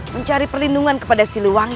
mencari perlindungan kepada si luwangi